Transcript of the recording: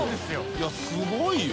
いすごいよ。